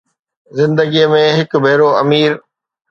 زندگي ۾ هڪ ڀيرو امير